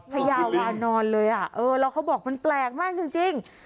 พญาวานอนเลยอ่ะเออแล้วเขาบอกมันแปลกมากจริง